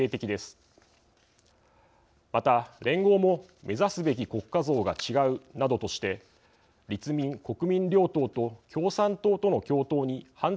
また連合も目指すべき国家像が違うなどとして立民・国民両党と共産党との共闘に反対している事情もあります。